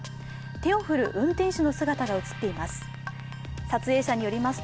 手を振る運転手の姿が映っています。